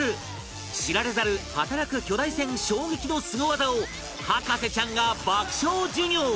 知られざる働く巨大船衝撃のスゴ技を博士ちゃんが爆笑授業！